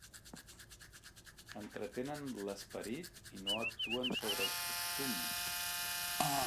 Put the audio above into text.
Entretenen l'esperit i no actuen sobre els costums.